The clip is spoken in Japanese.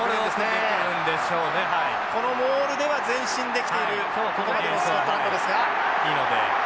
このモールでは前進できているスコットランドですが。